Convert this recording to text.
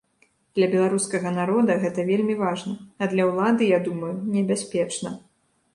Для беларускага народа гэта вельмі важна, а для ўлады, я думаю, небяспечна.